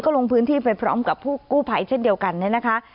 ลงพื้นที่ไปพร้อมกับผู้กู้ภัยเช่นเดียวกันเนี่ยนะคะ